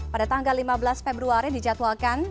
pada tanggal lima belas februari dijadwalkan